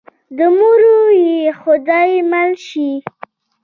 د مړو دې خدای مل شي.